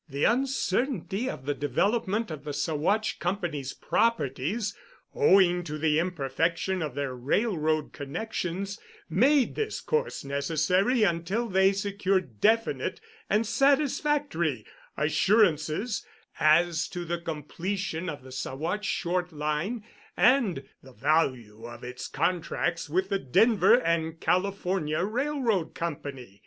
The uncertainty of the development of the Saguache Company's properties, owing to the imperfection of their railroad connections, made this course necessary until they secured definite and satisfactory assurances as to the completion of the Saguache Short Line and the value of its contracts with the Denver and California Railroad Company.